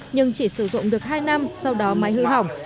nhưng chỉ sử dụng được hai năm sau đó máy hư hỏng